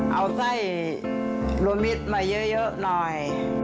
เอาไส้รวมมิตรมาเยอะหน่อย